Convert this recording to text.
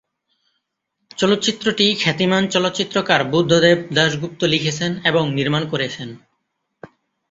চলচ্চিত্রটি খ্যাতিমান চলচ্চিত্রকার বুদ্ধদেব দাশগুপ্ত লিখেছেন এবং নির্মাণ করেছেন।